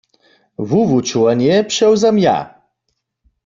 Wuwučowanje přewzam ja.